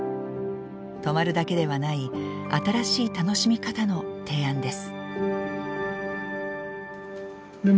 泊まるだけではない新しい楽しみ方の提案です。